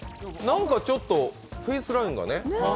なんかちょっとフェイスラインがね。